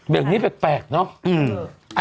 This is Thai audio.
แบบนี้แปลกเนอะ